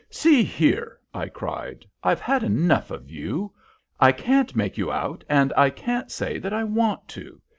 "See here," I cried, "I've had quite enough of you. I can't make you out, and I can't say that I want to.